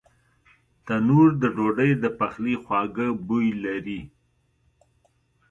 تنور د ډوډۍ د پخلي خواږه بوی لري